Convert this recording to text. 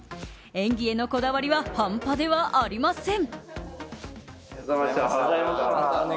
演技へのこだわりは半端ではありません。